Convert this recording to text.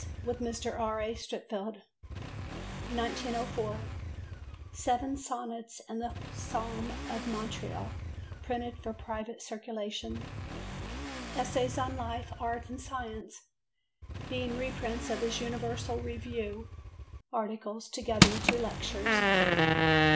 with Mr. R. A. Streatfeild. 1904. Seven Sonnets and A Psalm of Montreal printed for private circulation. Essays on Life, Art and Science, being reprints of his Universal Review articles, together with two lectures.